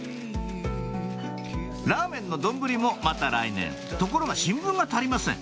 ラーメンの丼もまた来年ところが新聞が足りません